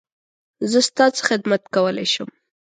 زه ستا څه خدمت کولی شم؟